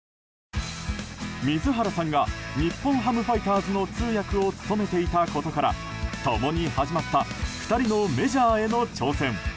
水原さんが日本ハムファイターズの通訳を務めていたことから共に始まった２人のメジャーへの挑戦。